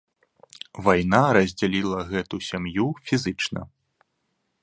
Вайна раздзяліла гэту сям'ю фізічна.